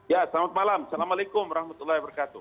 ya selamat malam assalamualaikum warahmatullahi wabarakatuh